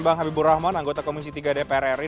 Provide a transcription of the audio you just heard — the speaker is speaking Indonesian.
bang habibur rahman anggota komisi tiga dpr ri